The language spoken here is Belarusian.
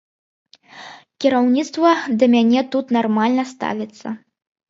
Кіраўніцтва да мяне тут нармальна ставіцца.